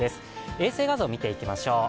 衛星画像、見ていきましょう。